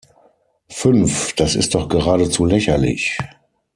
Fünf das ist doch geradezu lächerlich!